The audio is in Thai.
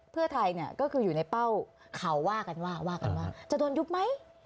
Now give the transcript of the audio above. เผื่อไทยก็คืออยู่ในเป้าข่าวว่ากันว่าจะโดนยุบไหม